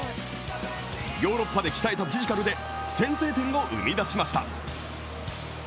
ヨーロッパで鍛えたフィジカルで先制点を生み出しました。